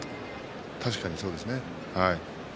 確かにそうですね。